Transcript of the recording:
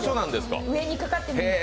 上にかかってるんです。